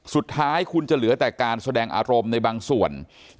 สุดท้ายคุณจะเหลือแต่การแสดงอารมณ์ในบางส่วน